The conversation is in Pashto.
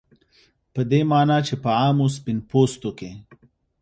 په دې معنا چې په عامو سپین پوستو کې